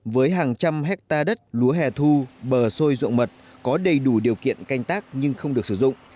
với hàng trăm hectare đất lúa hẻ thu bờ sôi ruộng mật có đầy đủ điều kiện canh tác nhưng không được sử dụng